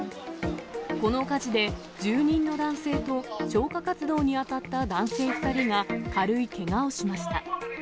この火事で、住人の男性と、消火活動に当たった男性２人が、軽いけがをしました。